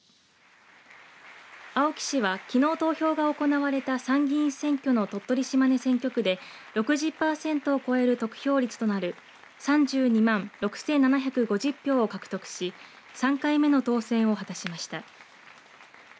青木氏は、きのう投票が行われた参議院選挙の鳥取島根選挙区で６０％を超える得票率となる３２万６７５０票を獲得し３回目の当選を果たしました。